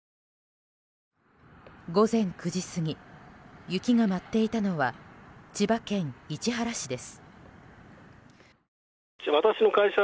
午前９時過ぎ雪が舞っていたのは千葉県市原市です。